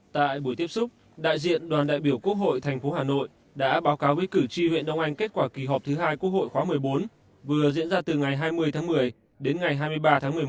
tại buổi tiếp xúc đại diện đoàn đại biểu quốc hội tp hà nội đã báo cáo với cử tri huyện đông anh kết quả kỳ họp thứ hai quốc hội khóa một mươi bốn vừa diễn ra từ ngày hai mươi tháng một mươi đến ngày hai mươi ba tháng một mươi một